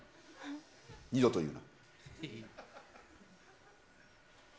二度と言うな。